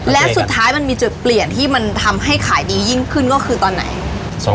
และสุดท้ายมันมีจุดเปลี่ยนที่มันทำให้ขายดียิ่งขึ้นก็คือตอนไหน